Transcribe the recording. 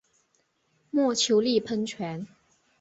墨丘利喷泉。